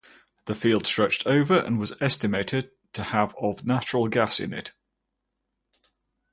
The field stretched over and was estimated to have of natural gas in it.